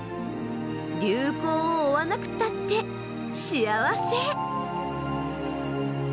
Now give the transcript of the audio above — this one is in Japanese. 流行を追わなくたって幸せ。